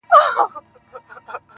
دا خواركۍ راپسي مه ږغـوه,